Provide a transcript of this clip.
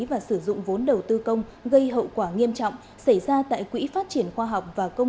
và sử dụng vốn đầu tư công gây hậu quả nghiêm trọng xảy ra tại quỹ phát triển khoa học và công